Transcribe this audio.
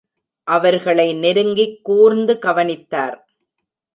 அவர்களை நெருங்கிக் கூர்ந்து கவனித்தார்.